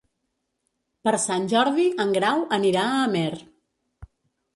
Per Sant Jordi en Grau anirà a Amer.